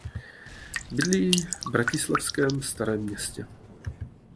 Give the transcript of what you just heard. Bydlí v bratislavském Starém Městě.